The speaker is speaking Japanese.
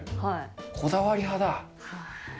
こだわり派だ。